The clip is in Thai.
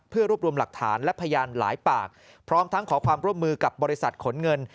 เพื่อรวบรวมหลักฐานและพยานหลายปากพร้อมทั้งขอความร่วมมือกับบริษัทขนเงิน